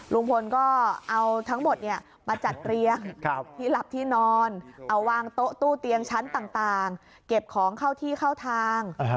ลุงพลก็เอาทั้งหมดมาจัดเรียงที่หลับที่นอนเอาวางโต๊ะตู้เตียงชั้นต่างเก็บของเข้าที่เข้าทาง